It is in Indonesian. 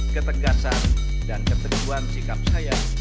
ketegasan dan keteguan sikap saya